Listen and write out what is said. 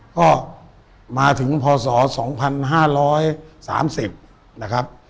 ก็มาถึงพศ๒๕๓๐นะครับ